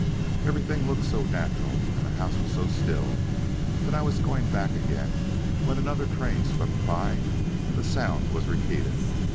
Everything looked so natural, and the house was so still, that I was going back again when another train swept by and that sound was repeated.